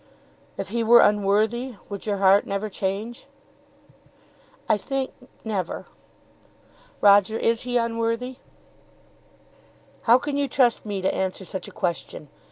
"If he were unworthy would your heart never change?" "I think never. Roger, is he unworthy?" "How can you trust me to answer such a question?